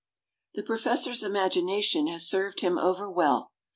The professor's imagination has served him over well.